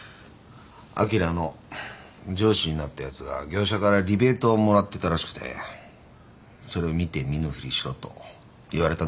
あきらの上司になったやつが業者からリベートをもらってたらしくてそれを見て見ぬふりしろと言われたんだって。